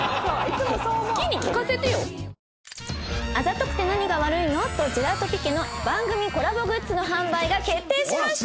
『あざとくて何が悪いの？』とｇｅｌａｔｏｐｉｑｕｅの番組コラボグッズの販売が決定しました！